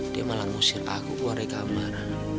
dia malah ngusir aku keluar dari kamar